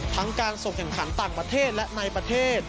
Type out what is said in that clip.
การส่งแข่งขันต่างประเทศและในประเทศ